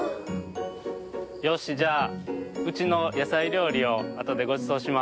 よしじゃあうちのやさいりょうりをあとでごちそうします。